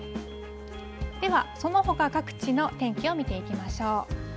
ではそのほか各地の天気を見ていきましょう。